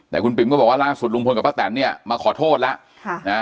แต่คุณปิ๋มก็บอกว่าล่าสุดลุงพลกับป้าแตนเนี่ยมาขอโทษแล้ว